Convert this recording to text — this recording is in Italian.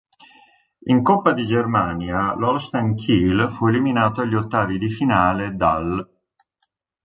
In coppa di Germania l'Holstein Kiel fu eliminato agli ottavi di finale dall'.